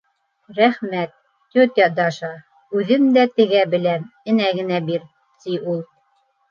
— Рәхмәт, тетя Даша, үҙем дә тегә беләм, энә генә бир, — ти ул.